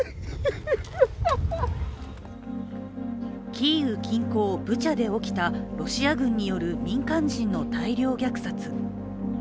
キーウ近郊ブチャで起きたロシア軍による民間人の大量虐殺。